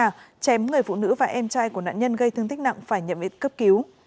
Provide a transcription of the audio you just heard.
và chém người phụ nữ và em trai của nạn nhân gây thương tích nặng phải nhậm ít cấp cứu